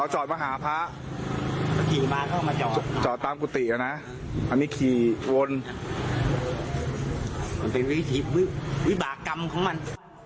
จอดมาหาพระจอดตามกุฏิละนะอันนี้ขี่วน